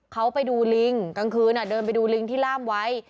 เขาไปดูลิงกลางคืนเดินไปดูลิงที่ล่ามไว้